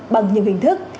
bằng nhiều hình thức